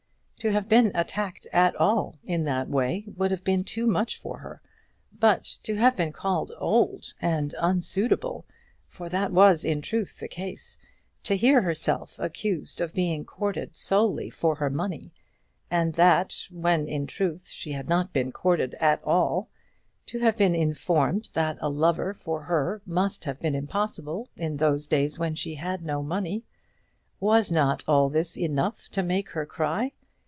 To have been attacked at all in that way would have been too much for her, but to have been called old and unsuitable for that was, in truth, the case; to hear herself accused of being courted solely for her money, and that when in truth she had not been courted at all; to have been informed that a lover for her must have been impossible in those days when she had no money! was not all this enough to make her cry?